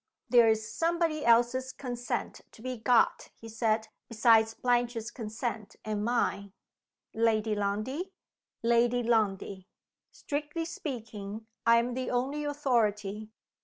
"There's somebody else's consent to be got," he said, "besides Blanche's consent and mine." "Lady Lundie?" "Lady Lundie. Strictly speaking, I am the only authority.